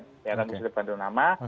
dia kan positif ganti nama